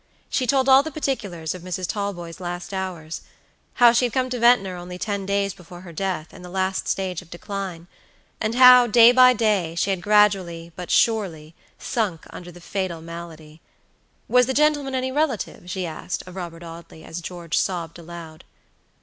She told all the particulars of Mrs. Talboys' last hours; how she had come to Ventnor only ten days before her death, in the last stage of decline; and how, day by day, she had gradually, but surely, sunk under the fatal malady. Was the gentleman any relative? she asked of Robert Audley, as George sobbed aloud.